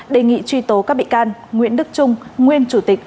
đề nghị truy tố các bị can nguyễn đức trung nguyên chủ tịch